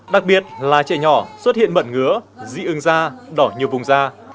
đặc biệt là trẻ nhỏ xuất hiện mẩn ngứa dị ứng da đỏ nhiều vùng da